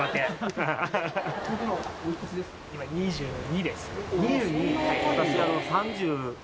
今、今２２です。